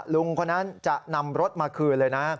ลุงคนนั้นจะนำรถมาคืนเลยนะ